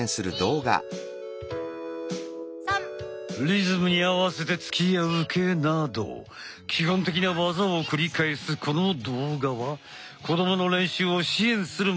リズムに合わせて突きや受けなど基本的な技を繰り返すこの動画は子どもの練習を支援する